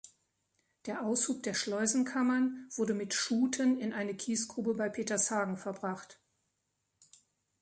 Der Aushub der Schleusenkammern wurde mit Schuten in eine Kiesgrube bei Petershagen verbracht.